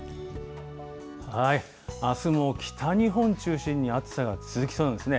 あすも北日本中心に、暑さが続きそうなんですね。